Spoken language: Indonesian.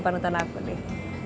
pandutan aku deh